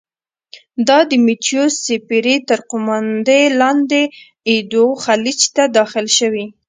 دا د متیو سي پیري تر قوماندې لاندې ایدو خلیج ته داخلې شوې.